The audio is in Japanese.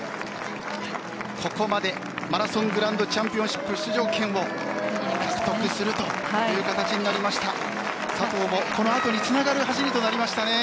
ここまでマラソングランドチャンピオンシップ出場権を獲得するという形になりました。